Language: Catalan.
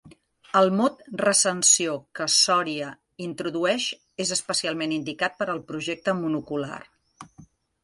El mot "recensió" que Sòria introdueix és especialment indicat per al projecte monocular.